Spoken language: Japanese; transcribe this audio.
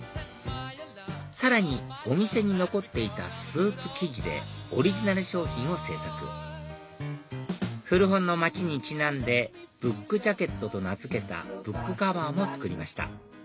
さらにお店に残っていたスーツ生地でオリジナル商品を製作古本の街にちなんでブック・ジャケットと名付けたブックカバーも作りました